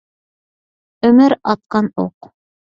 ئۆمۈر ئاتقان ئوق.